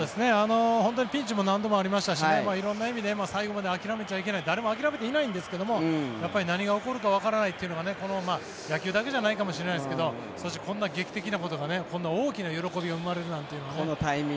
ピンチも何度もありましたし色んな意味で最後まで諦めちゃいけない誰も諦めていないんですが何が起こるかわからないというのが野球だけじゃないかもしれませんけどそしてこんな劇的なことが大きな喜びが生まれるなんて。